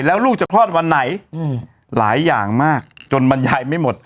แล้วลูกจะคลอดวันไหนหลายอย่างมากจนบรรยายไม่หมด